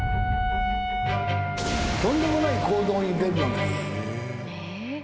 とんでもない行動に出るのです。